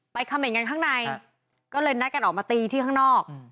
คำเห็นกันข้างในก็เลยนัดกันออกมาตีที่ข้างนอก